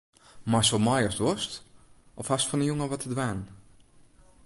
Meist wol mei ast wolst of hast fan 'e jûn al wat te dwaan?